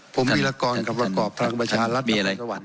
ผมมีละกรณ์กับประกอบทางประชารัฐบุรติสวรรค์